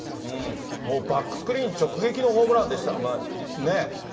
もうバックスクリーン直撃のホームランでしたね。